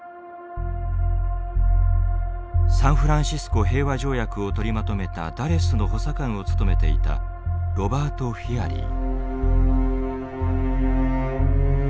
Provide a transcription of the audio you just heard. サンフランシスコ平和条約を取りまとめたダレスの補佐官を務めていたロバート・フィアリー。